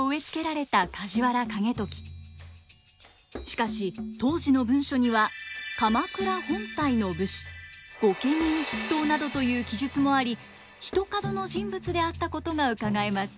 しかし当時の文書には「鎌倉本体の武士」「御家人筆頭」などという記述もありひとかどの人物であったことがうかがえます。